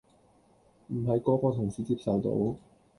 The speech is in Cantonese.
唔係個個同事接受到